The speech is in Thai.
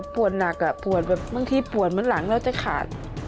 ปวดนักพวดหลังก็จะขาด